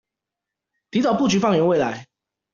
提早布局放眼未來